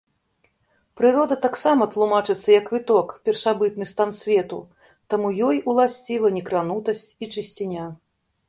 Прырода таксама тлумачыцца як выток, першабытны стан свету, таму ёй уласціва некранутасць і чысціня.